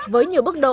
với nhiều bước đổi